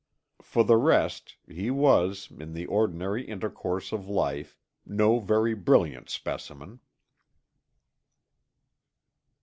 For the rest, he was, in the ordinary intercourse of life, no very brilliant specimen.